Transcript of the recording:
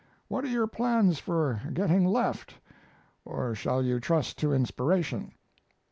What are your plans for getting left, or shall you trust to inspiration?